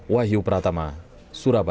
wahyu pratama surabaya